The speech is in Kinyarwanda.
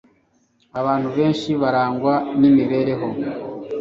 Abantu benshi barangwa n’imibereho